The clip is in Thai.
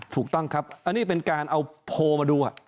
ถูกต้องครับอันนี้เป็นการเอาโพลมาดู